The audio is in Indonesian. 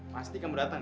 pasti kamu datang ya